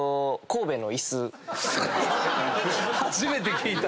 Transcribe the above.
神戸の椅子⁉